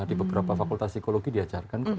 di beberapa fakultas psikologi diajarkan